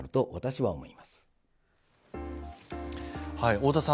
太田さん